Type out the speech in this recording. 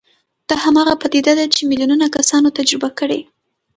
دا هماغه پدیده ده چې میلیونونه کسانو تجربه کړې